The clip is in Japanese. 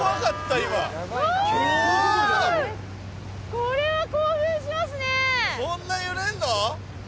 こんな揺れんの？